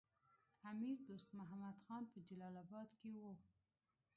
امیر دوست محمد خان په جلال اباد کې وو.